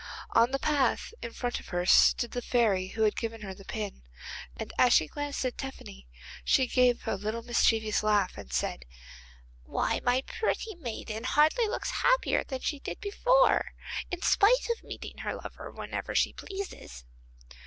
On the path in front of her stood the fairy who had given her the pin, and as she glanced at Tephany she gave a little mischievous laugh and said: 'Why, my pretty maiden hardly looks happier than she did before, in spite of meeting her lover whenever she pleases.